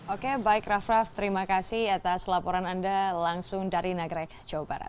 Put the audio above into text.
oke baik raff raff terima kasih atas laporan anda langsung dari nagrek jawa barat